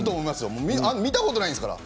見たことないんですから。